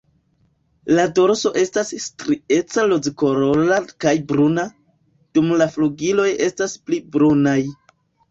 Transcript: La dorso estas strieca rozkolora kaj bruna, dum la flugiloj estas pli brunaj.